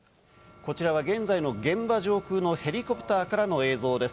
こちらは現在の現場上空のヘリコプターからの映像です。